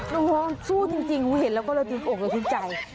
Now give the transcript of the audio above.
เออชู้จริงผมเห็นแล้วก็เริ่มโอกลับชิ้นใจ